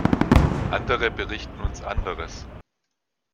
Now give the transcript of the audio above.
Andere berichten uns anderes.